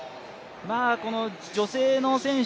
女性の選手